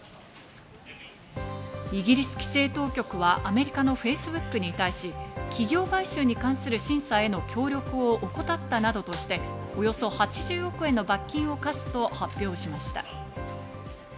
イギリス規制当局はアメリカのＦａｃｅｂｏｏｋに対し、企業買収に関する審査への協力を怠ったなどとして、およそ８０億円の罰金を科すと発表しました。